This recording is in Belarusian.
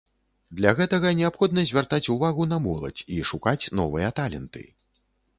Для гэтага неабходна звяртаць увагу на моладзь і шукаць новыя таленты.